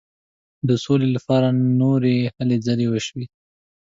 د سولي لپاره نورې هلې ځلې شوې.